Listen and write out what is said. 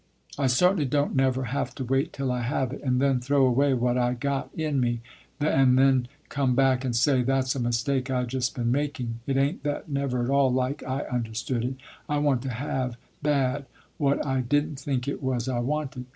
I certainly don't never have to wait till I have it, and then throw away what I got in me, and then come back and say, that's a mistake I just been making, it ain't that never at all like I understood it, I want to have, bad, what I didn't think it was I wanted.